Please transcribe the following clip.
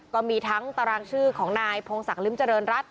ก็มีทั้งตารางชื่อของนายพงศักดิมเจริญรัฐ